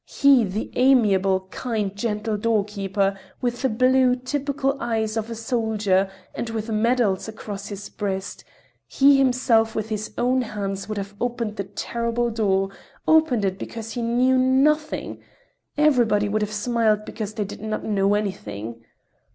He, the amiable, kind, gentle doorkeeper, with the blue, typical eyes of a soldier, and with medals across his breast—he himself with his own hands would have opened the terrible door, opened it because he knew nothing. Everybody would have smiled because they did not know anything.